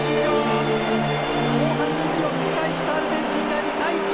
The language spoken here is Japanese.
後半に息を吹き返したアルゼンチンが２対１。